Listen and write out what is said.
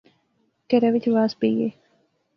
کہرے وچ رواس پئی گے